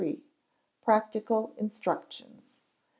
Practical Instructions.